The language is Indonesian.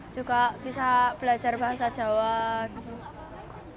juga bisa belajar bahasa jawa gitu